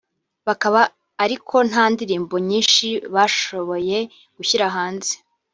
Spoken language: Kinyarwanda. bakaba ariko nta ndirimbo nyinshi bashoboye gushyira hanze